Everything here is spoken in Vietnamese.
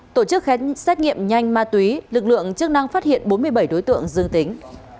tổ chức xét nghiệm nhanh ma túy lực lượng chức năng phát hiện bốn mươi bảy đối tượng dương tính